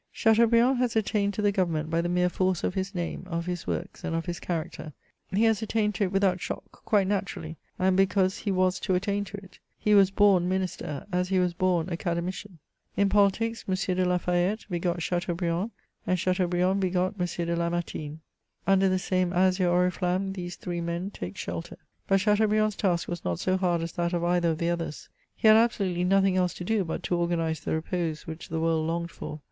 Chateaubriand has attained to the government by the mere force of his name, of his works, and of his character. He has attained to it without shock, quite naturally, and because he was to attain to it. He was bom minister, as he was bom academician. In politics, M. de Lafayette begot Chateaubriand, and Chateaubriand begot M. de Lamartine. Under the same azure oriflamme these three men take shelter. But Chateau briand's task was not so hard as that of either of the others. He had absolutely nothing else to do but to organize the repose which the world longed for.